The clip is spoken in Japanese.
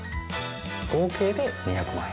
合計で２００万円。